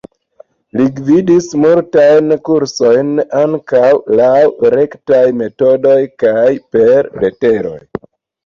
Li gvidis multajn kursojn, ankaŭ laŭ rektaj metodoj kaj per leteroj.